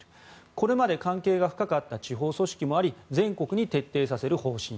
これまで関係が深かった地方組織もあり全国に徹底させる方針。